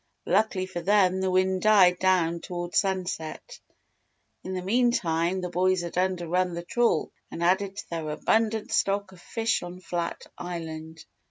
Luckily for them, the wind died down toward sunset. In the meantime, the boys had under run the trawl and added to their abundant stock of fish on Flat Island.